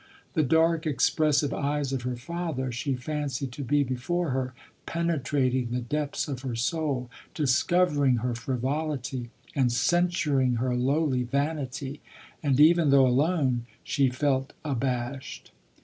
The dark, ex pressive eyes of her father she fancied to be before her, penetrating the depths of her soul, discover ing her frivolity, and censuring her lowly vanitv; and, even though alone, she felt abashed.